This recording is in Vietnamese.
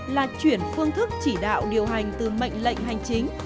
là chuyển phương thức chỉ đạo điều hành từ mệnh lệnh hành chính